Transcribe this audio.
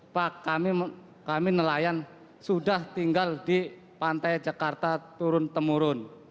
pak kami nelayan sudah tinggal di pantai jakarta turun temurun